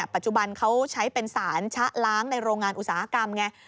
ปัจจุบันเขาใช้เป็นสารชะล้างในโรงงานอุตสาหกรรมไง